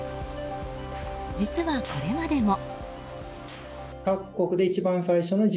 実はこれまでも。